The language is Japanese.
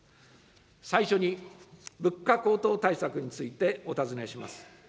最初に物価高騰対策についてお尋ねします。